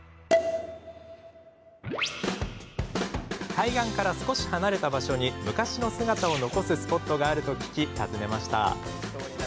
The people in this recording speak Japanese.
海岸から少し離れた場所に昔の姿を残すスポットがあると聞き、訪ねました。